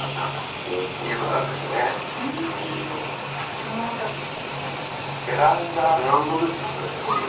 どの辺りが？